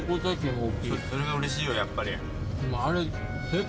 それはうれしいよ、やっぱり。